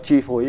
chi phú ý